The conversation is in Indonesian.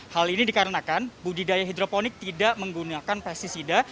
hal ini dikarenakan budidaya hidroponik tidak menggunakan pesticida